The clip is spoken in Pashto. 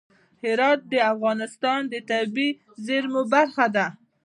جواهرات د افغانستان د طبیعي زیرمو برخه ده.